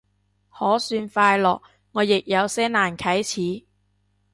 可算快樂，我亦有些難啟齒